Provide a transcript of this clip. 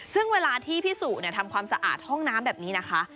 ซึ่งเวลาที่พี่สุทำความสะอาดห้องน้ำแบบนี้นะคะ